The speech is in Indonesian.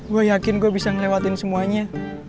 gue yakin gue bisa ngelewatin semuanya